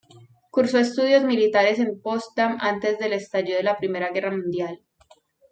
Cursó estudios militares en Potsdam antes del estallido de la Primera Guerra Mundial.